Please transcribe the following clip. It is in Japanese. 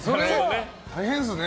大変ですね。